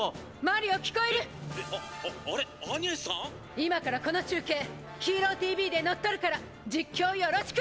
今からこの中継「ＨＥＲＯＴＶ」で乗っ取るから実況よろしく！！